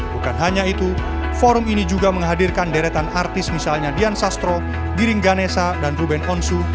bukan hanya itu forum ini juga menghadirkan deretan artis misalnya dian sastro giring ganesa dan ruben onsu